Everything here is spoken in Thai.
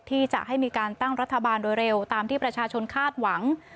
ที่จะให้มีการตั้งรัฐบาลโดยเร็วตามที่ประชาชนคาดหวัง